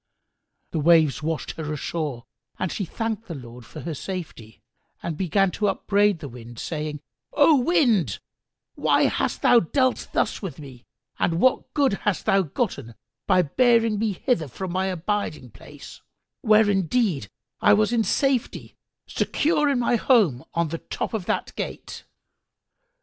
The waves washed her ashore, and she thanked the Lord for safety and began to upbraid the Wind, saying, "O Wind, why hast thou dealt thus with me and what good hast thou gotten by bearing me hither from my abiding place, where indeed I was in safety, secure in my home on the top of that gate?"